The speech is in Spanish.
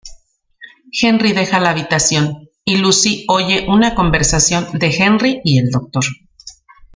Henry deja la habitación y Lucy oye una conversación de Henry y el doctor.